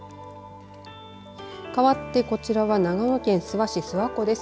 かわって、こちらは長野県諏訪市、諏訪湖です。